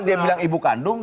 dia bilang ibu kandung